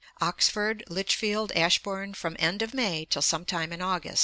Oxford, Lichfield, Ashbourn, from end of May till some time in August.